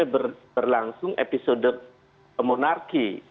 berlangsung episode monarki